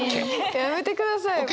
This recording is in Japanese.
やめてくださいよ。